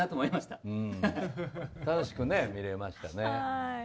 楽しく見れましたね。